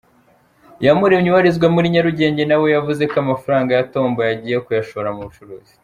Iyamuremye ubarizwa muri Nyarugenge nawe yavuze ko amafaranga yatomboye agiye kuyashobora mu bucuruzi.